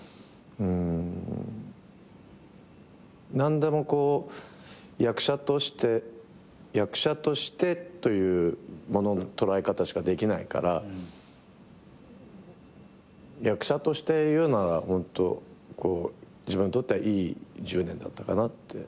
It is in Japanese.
何でも「役者として」という物の捉え方しかできないから役者として言うならホント自分にとってはいい１０年だったかなって思います。